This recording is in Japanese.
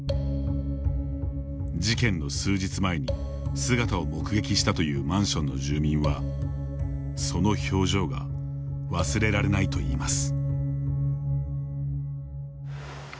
事件の数日前に姿を目撃したというマンションの住民はその表情が忘れられないといいます。